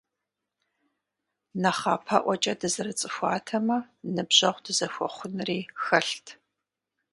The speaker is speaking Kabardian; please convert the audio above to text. НэхъапэӀуэкӀэ дызэрыцӀыхуатэмэ, ныбжьэгъу дызэхуэхъунри хэлът.